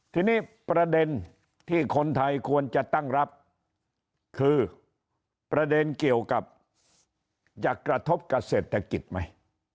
ทีนี้ประเด็นที่คนไทยควรจะตั้งรับคือประเด็นเกี่ยวกับจะกระทบกับเศรษฐกิจไหม